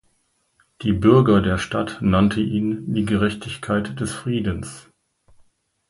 Die Bürger der Stadt nannte ihn „die Gerechtigkeit des Friedens“.